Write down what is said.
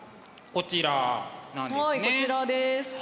こちらです。